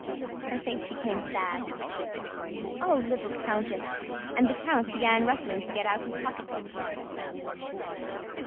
Her face became sad. "Oh, little countess!" ... and the count began bustling to get out his pocketbook.